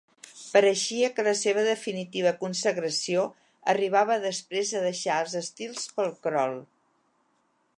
Pareixia que la seva definitiva consagració arribava després de deixar els estils pel crol.